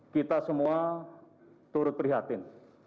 kita semua turut prihatin